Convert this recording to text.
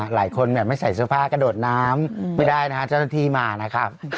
หลายคนไม่ใส่เสื้อผ้ากระโดดน้ำไม่ได้นะฮะเจ้าหน้าที่มานะครับ